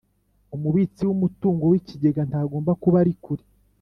Umubitsi w ‘umutungo w’ ikigega ntagomba kuba arikure.